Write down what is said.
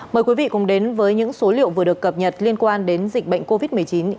mời quý vị cùng đến với những số liệu vừa được cập nhật liên quan đến dịch bệnh covid một mươi chín